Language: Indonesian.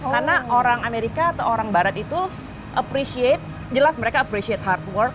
karena orang amerika atau orang barat itu appreciate jelas mereka appreciate hard work